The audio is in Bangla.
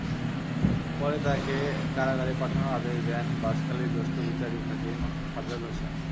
পরে তাঁকে কারাগারে পাঠানোর আদেশ দেন বাঁশখালীর জ্যেষ্ঠ বিচারিক হাকিম সাজ্জাদ হোসেন।